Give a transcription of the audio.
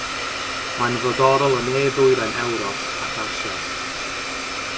Mae'n frodorol yn ne-ddwyrain Ewrop ac Asia.